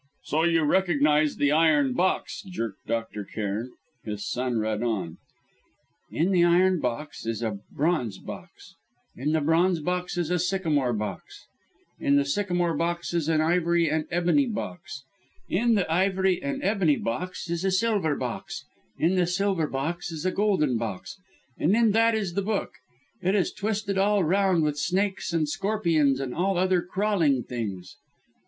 "So you recognise the iron box?" jerked Dr. Cairn. His son read on: "In the iron box, is a bronze box; in the bronze box, is a sycamore box; in the sycamore box, is an ivory and ebony box; in the ivory and ebony box, is a silver box; in the silver box, is a golden box; and in that is the book. It is twisted all round with snakes, and scorpions, and all the other crawling things...."